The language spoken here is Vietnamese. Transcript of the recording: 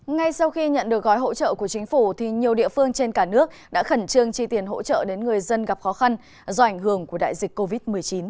ngay sau khi nhận được gói hỗ trợ của chính phủ nhiều địa phương trên cả nước đã khẩn trương chi tiền hỗ trợ đến người dân gặp khó khăn do ảnh hưởng của đại dịch covid một mươi chín